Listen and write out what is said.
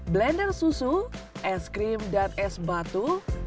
blender susu es krim dan es batu